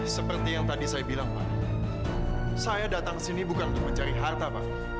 seperti yang tadi saya bilang pak saya datang sini bukan untuk mencari harta pak